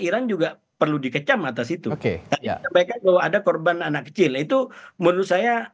iran juga perlu dikecam atas itu tadi sampaikan bahwa ada korban anak kecil itu menurut saya